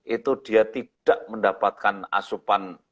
itu dia tidak mendapatkan asupan